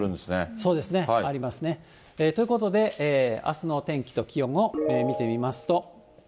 そうですね。ありますね。ということで、あすのお天気と気温を見てみますと。